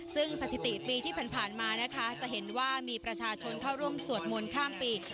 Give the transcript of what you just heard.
ซึ่งสถิติปีที่ผ่านมานะคะจะเห็นว่ามีประชาชนเข้าร่วมสวดมนต์ข้ามปี